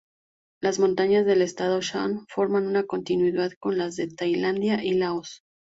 Las montañas del estado Shan forman una continuidad con las de Tailandia y Laos.